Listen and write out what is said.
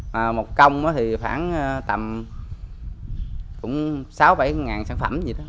một công thì khoảng tầm sáu bảy ngàn sản phẩm